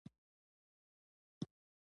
د احمد غوړي په کار دي.